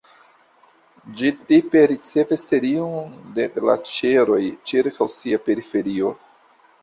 Ĝi tipe ricevas serion de glaĉeroj ĉirkaŭ sia periferio.